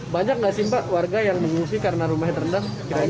banyak nggak sih mbak warga yang mengungsi karena rumahnya terendam